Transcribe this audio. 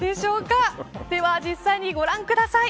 では実際にご覧ください。